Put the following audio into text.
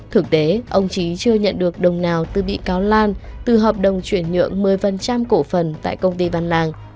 thực tế ông trí chưa nhận được đồng nào từ bị cáo lan từ hợp đồng chuyển nhượng một mươi cổ phần tại công ty văn lang